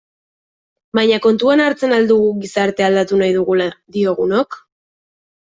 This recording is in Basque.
Baina kontuan hartzen al dugu gizartea aldatu nahi dugula diogunok?